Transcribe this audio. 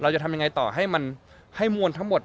จะทำยังไงต่อให้มันให้มวลทั้งหมด